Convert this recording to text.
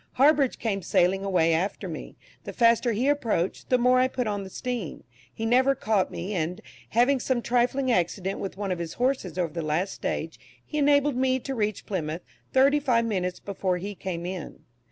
Harbridge came sailing away after me; the faster he approached, the more I put on the steam. He never caught me, and, having some trifling accident with one of his horses over the last stage, he enabled me to reach Plymouth thirty five minutes before he came in.